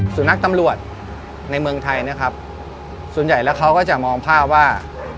สุนัขตำรวจในเมืองไทยนะครับส่วนใหญ่แล้วเขาก็จะมองภาพว่า